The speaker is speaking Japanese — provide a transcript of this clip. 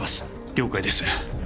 了解です。